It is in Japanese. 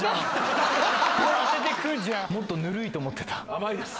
甘いです。